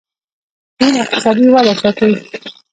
چین اقتصادي وده ساتي.